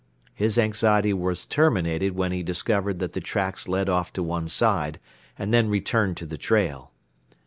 His anxiety was terminated when he discovered that the tracks led off to one side and then returned to the trail.